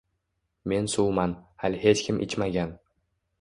Men suvman, hali hech kim ichmagan